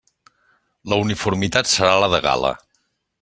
La uniformitat serà la de gala.